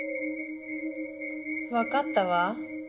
わかったわ。